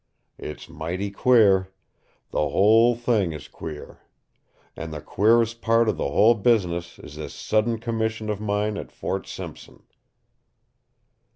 It's mighty queer. The whole thing is queer. And the queerest part of the whole business is this sudden commission of mine at Fort Simpson."